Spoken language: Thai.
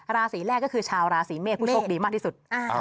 ราศีแรกก็คือชาวราศีเมษผู้โชคดีมากที่สุด